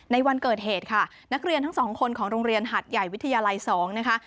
วันเกิดเหตุค่ะนักเรียนทั้งสองคนของโรงเรียนหัดใหญ่วิทยาลัย๒นะคะ